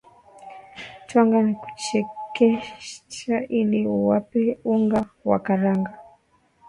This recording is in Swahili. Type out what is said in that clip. twanga na kuchekecha ili upate unga wa karanga